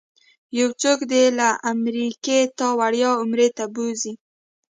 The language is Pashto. یو څوک دې له امریکې تا وړیا عمرې ته بوځي.